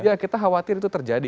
ya kita khawatir itu terjadi